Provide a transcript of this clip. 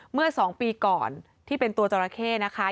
เมื่อ๒ปีก่อนที่เป็นตัวจราเข้นะคะ